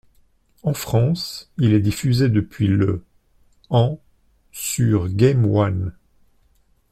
En France, il est diffusé depuis le en sur Game One.